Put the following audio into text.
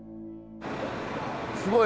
すごい！